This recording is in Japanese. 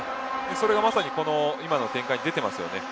それがまさに今の展開に出ていますよね。